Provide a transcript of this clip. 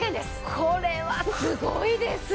これはすごいですよ！